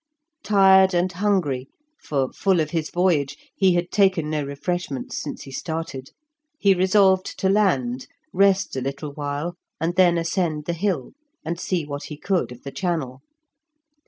Tired and hungry (for, full of his voyage, he had taken no refreshments since he started), he resolved to land, rest a little while, and then ascend the hill, and see what he could of the channel.